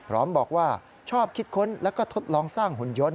พร้อมบอกว่าชอบคิดค้นแล้วก็ทดลองสร้างหุ่นยนต